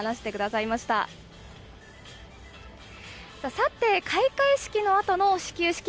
さて、開会式のあとの始球式。